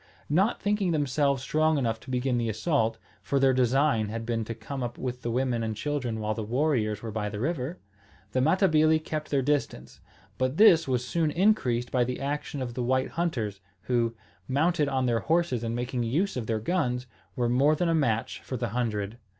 Not thinking themselves strong enough to begin the assault, for their design had been to come up with the women and children while the warriors were by the river, the Matabili kept their distance. But this was soon increased by the action of the white hunters, who, mounted on their horses and making use of their guns, were more than a match for the hundred.